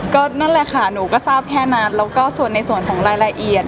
ก็นั่นแหละค่ะหนูก็ทราบแค่นั้นแล้วก็ส่วนในส่วนของรายละเอียด